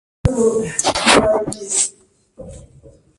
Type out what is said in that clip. په دې وخت کې پیروانو ته ورزده کول